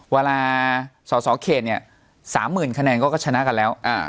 เวลาส่อส่อเขตเนี้ยสามหมื่นคะแนนก็ก็ชนะกันแล้วอ่า